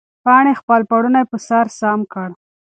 پاڼې خپل پړونی پر سر سم کړ.